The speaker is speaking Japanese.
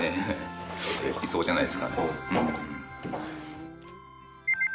理想じゃないですかね。